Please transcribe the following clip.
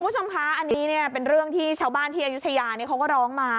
คุณผู้ชมคะอันนี้เนี่ยเป็นเรื่องที่ชาวบ้านที่อายุทยาเขาก็ร้องมา